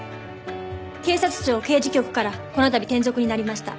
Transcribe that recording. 警察庁刑事局からこのたび転属になりました